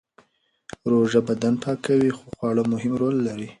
روژه بدن پاکوي خو خواړه مهم رول لري.